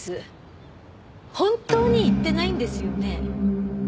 本当に行ってないんですよね？